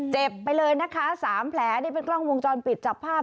ไปเลยนะคะสามแผลนี่เป็นกล้องวงจรปิดจับภาพ